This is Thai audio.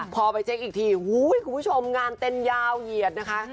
พอไปเช็คอีกทีคุณผู้ชมงานเต้นยาวเหยียดนะคะ